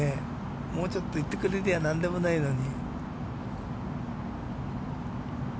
もうちょっと行ってくれれば、何でもないのに。